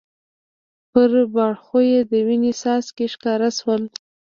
پر باړخو یې د وینې څاڅکي ښکاره شول.